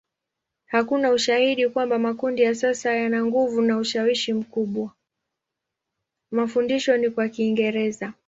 Mafundisho ni kwa Kiingereza.